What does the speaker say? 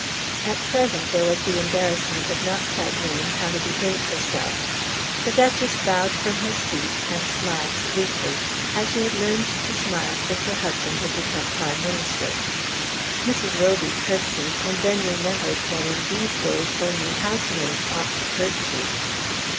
At present there was the embarrassment of not quite knowing how to behave herself. The Duchess bowed from her seat, and smiled sweetly, as she had learned to smile since her husband had become Prime Minister. Mrs. Roby curtsied, and then remembered that in these days only housemaids ought to curtsey.